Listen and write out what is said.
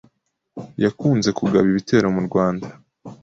yakunze kugaba ibitero mu rwanda